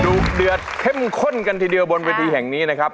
เดือดเข้มข้นกันทีเดียวบนเวทีแห่งนี้นะครับ